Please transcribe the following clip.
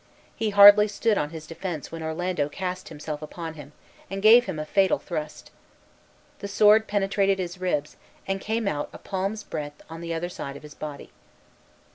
He hardly stood on his defence when Orlando cast himself upon him, and gave him a fatal thrust. The sword penetrated his ribs, and came out a palm's breadth on the other side of his body.